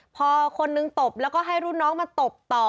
พอคนนึงตบแล้วก็ให้รุ่นน้องมาตบต่อ